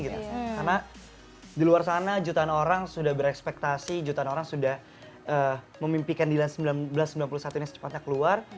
karena di luar sana jutaan orang sudah berekspektasi jutaan orang sudah memimpikan dilan seribu sembilan ratus sembilan puluh satu ini secepatnya keluar